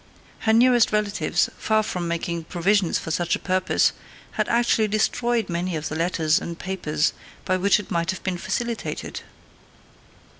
Her nearest relatives, far from making provision for such a purpose, had actually destroyed many of the letters and papers by which it might have been facilitated.